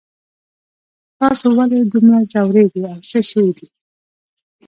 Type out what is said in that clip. تاسو ولې دومره ځوریږئ او څه شوي دي